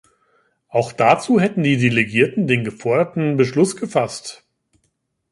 Auch dazu hätten die Delegierten den geforderten Beschluss gefasst.